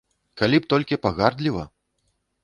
Калі б толькі пагардліва!